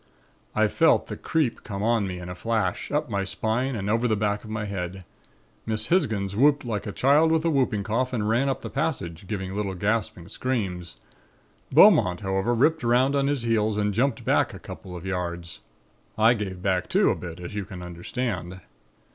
"I felt the 'creep' come on me in a flash, up my spine and over the back of my head. Miss Hisgins whooped like a child with the whooping cough and ran up the passage, giving little gasping screams. Beaumont, however, ripped 'round on his heels and jumped back a couple of yards. I gave back too, a bit, as you can understand.